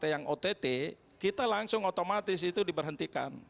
setiap anggota partai yang ott kita langsung otomatis itu diberhentikan